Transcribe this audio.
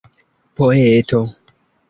poeto